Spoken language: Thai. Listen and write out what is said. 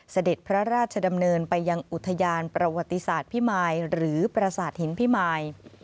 เสด็จพระราชดำเนินไปยังอุทยานประวัติศาสตร์พิมายหรือประสาทหินพิมาย